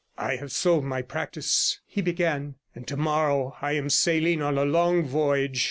'I have sold my practice,' he began, 'and tomorrow I am sailing on a long voyage.